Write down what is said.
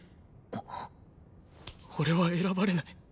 俺は選ばれない。